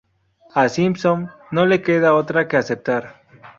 A Simpson no le queda otra que aceptar.